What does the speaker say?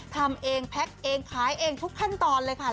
ทำเองแพ็คเองขายเองทุกขั้นตอนเลยค่ะ